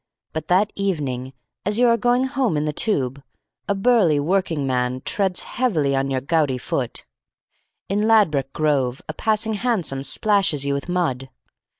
But that evening, as you are going home in the Tube, a burly working man treads heavily on your gouty foot. In Ladbroke Grove a passing hansom splashes you with mud.